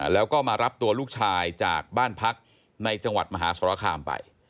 แล้วก็มารับตัวลูกชายจากบ้านพักในจังหวัดมหาสรคามไป